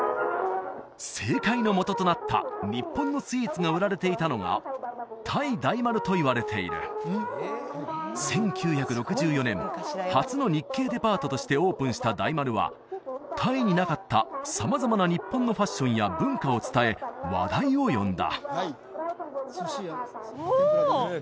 正解のもととなった日本のスイーツが売られていたのがタイ大丸といわれている１９６４年初の日系デパートとしてオープンした大丸はタイになかった様々な日本のファッションや文化を伝え話題を呼んだおお！